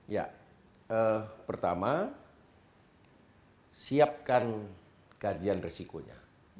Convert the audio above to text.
ya pertama siapkan kajian resikonya